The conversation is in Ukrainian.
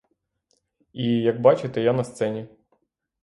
І, як бачите, я на сцені.